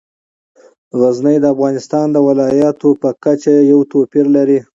غزني د افغانستان د ولایاتو په کچه یو توپیر لري.